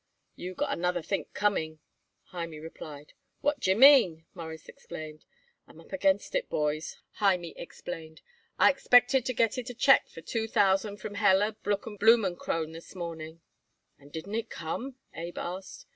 "You got another think coming," Hymie replied. "What d'ye mean?" Morris exclaimed. "I'm up against it, boys," Hymie explained. "I expected to get it a check for two thousand from Heller, Blumenkrohn this morning." "And didn't it come?" Abe asked.